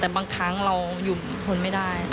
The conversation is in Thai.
แต่บางครั้งเราอยู่ทนไม่ได้